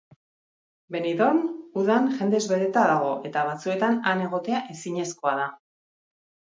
Benidorm udan jendez beteta dago eta batzuetan han egotea ezinezkoa da.